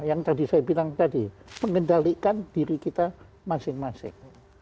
yang tadi saya bilang tadi mengendalikan diri kita masing masing